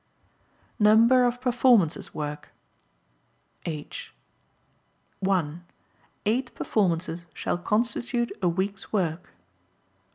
Number of Performances Work (H) (1) Eight performances shall constitute a week's work.